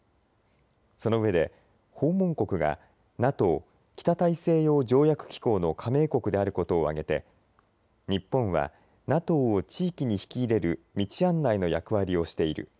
そのうえで訪問国がＮＡＴＯ・北大西洋条約機構の加盟国であることを挙げて日本はＮＡＴＯを地域に引き入れる道案内の役割をしている。